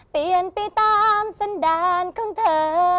เปลี่ยนไปตามสันดาลของเธอ